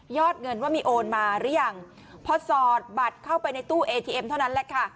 เงินว่ามีโอนมาหรือยังพอสอดบัตรเข้าไปในตู้เอทีเอ็มเท่านั้นแหละค่ะ